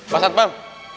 pak ustadz paham